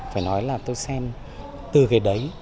phải nói là tôi xem từ cái đấy